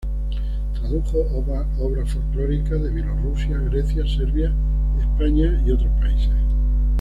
Tradujo obras folclóricas de Bielorrusia, Grecia, Serbia, España y otros países.